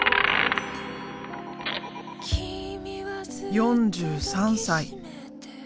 ４３歳。